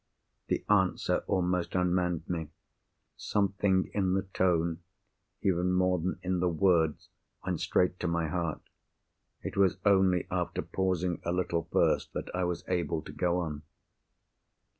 The answer almost unmanned me. Something in the tone, even more than in the words, went straight to my heart. It was only after pausing a little first that I was able to go on.